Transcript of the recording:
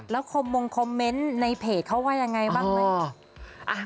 แล้วคอมมงคอมเมนต์ในเพจเขาว่ายังไงบ้างไหม